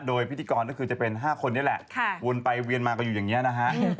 โดยพิธีกรก็คือจะเป็น๕คนนี้แหละวนไปเวียนมาก็อยู่อย่างนี้นะฮะ